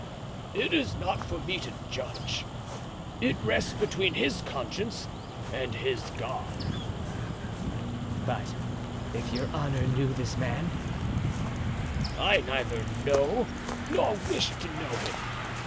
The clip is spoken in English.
"It is not for me to judge. It rests between his conscience and his God." "But if your honor knew this man?" "I neither know nor wish to know him.